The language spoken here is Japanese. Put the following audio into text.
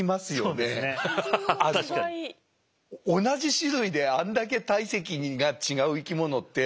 同じ種類であんだけ体積が違う生き物って。